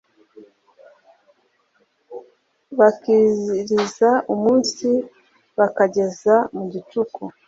bakiriza umunsi bakageza mu gicuku